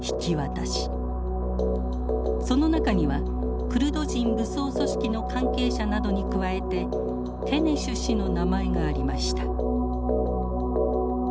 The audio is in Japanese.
その中にはクルド人武装組織の関係者などに加えてケネシュ氏の名前がありました。